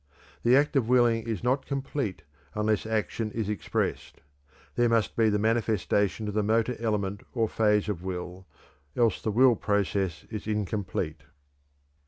The act of willing is not complete unless action is expressed. There must be the manifestation of the motor element or phase of will, else the will process is incomplete.